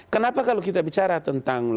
kenapa kalau kita bicara tentang